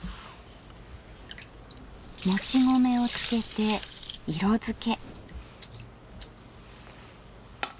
もち米をつけて色付け。